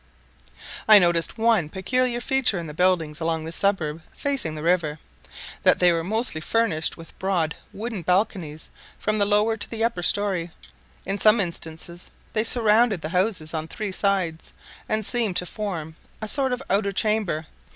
I noticed one peculiar feature in the buildings along the suburb facing the river that they were mostly furnished with broad wooden balconies from the lower to the upper story; in some instances they surrounded the houses on three sides, and seemed to form a sort of outer chamber.